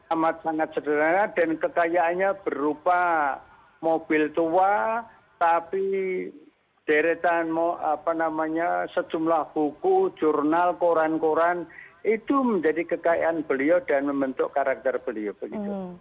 amat sangat sederhana dan kekayaannya berupa mobil tua tapi deretan sejumlah buku jurnal koran koran itu menjadi kekayaan beliau dan membentuk karakter beliau begitu